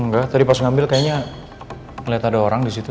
enggak tadi pas ngambil kayaknya liat ada orang disitu